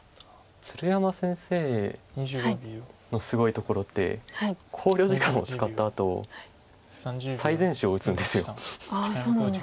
鶴山先生のすごいところって考慮時間を使ったあと最善手を打つんです。